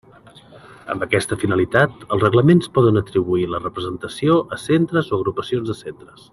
Amb aquesta finalitat, els reglaments poden atribuir la representació a centres o agrupacions de centres.